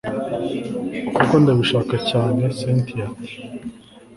kuko ndabishaka cyane cyntia ati